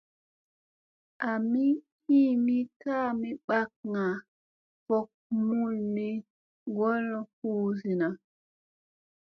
Ami iimi kaami bakŋga vok mulmi ŋgolla hu zinna.